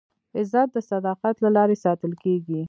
عزت د صداقت له لارې ساتل کېږي.